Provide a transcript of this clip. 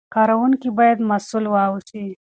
کاروونکي باید مسوول واوسي.